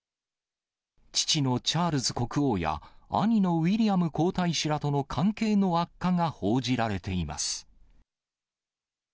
父のチャールズ国王や、兄のウィリアム皇太子らとの関係の悪化が報じられています。